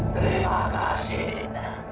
terima kasih dina